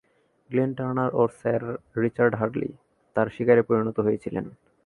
Glenn Turner ও sir Richard Hadlee তার শিকারে পরিণত হয়েছিলেন।